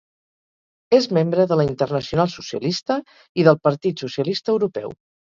És membre de la Internacional Socialista i del Partit Socialista Europeu.